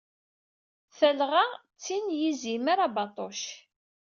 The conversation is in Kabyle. Talɣa-a d tin n yizimer abaṭuc.